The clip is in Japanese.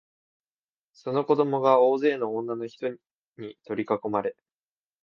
その子供が大勢の女のひとに取りかこまれ、